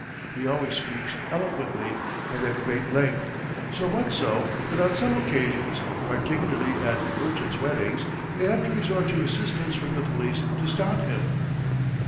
He always speaks eloquently and at great length, so much so that on some occasions, particularly at merchants' weddings, they have to resort to assistance from the police to stop him.